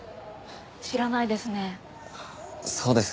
知らないですね。